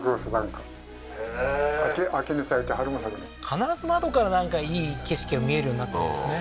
必ず窓から、なんかいい景色が見えるようになってるんですね。